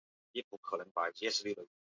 李渊封她为淮南公主。